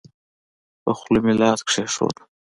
په خوله مې لاس کېښود.